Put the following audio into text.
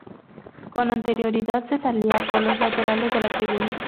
Con anterioridad se salía por los laterales de la tribuna.